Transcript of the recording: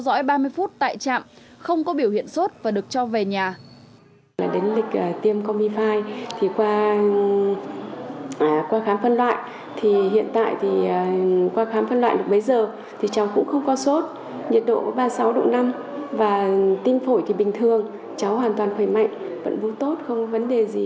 dõi ba mươi phút tại trạm không có biểu hiện sốt và được cho về nhà